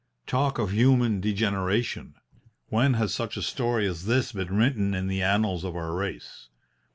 Talk of human degeneration! When has such a story as this been written in the annals of our race?